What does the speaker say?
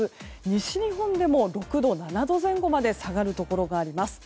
西日本でも６度７度前後まで下がるところがあります。